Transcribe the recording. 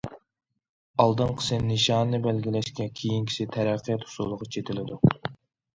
ئالدىنقىسى نىشاننى بەلگىلەشكە، كېيىنكىسى تەرەققىيات ئۇسۇلىغا چېتىلىدۇ.